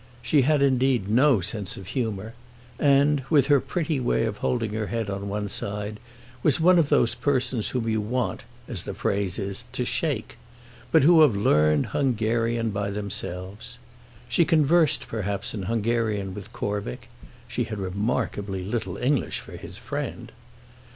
She had indeed no sense of humour and, with her pretty way of holding her head on one side, was one of those persons whom you want, as the phrase is, to shake, but who have learnt Hungarian by themselves. She conversed perhaps in Hungarian with Corvick; she had remarkably little English for his friend.